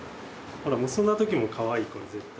ほら結んだ時もかわいいこれ絶対。